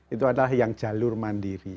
itu adalah yang jalur masing masing